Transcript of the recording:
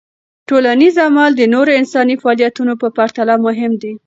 ټولنیز عمل د نورو انساني فعالیتونو په پرتله مهم دی.